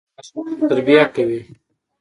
ژوندي د ماشومانو تربیه کوي